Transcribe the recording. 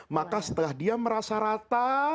maka setelah dia merasa rata